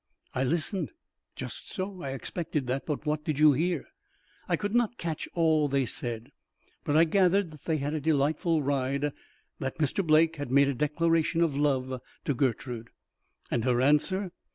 "I listened." "Just so; I expected that. But what did you hear?" "I could not catch all they said; but I gathered that they had a delightful ride, that Mr. Blake had made a declaration of love to Gertrude." "And her answer?"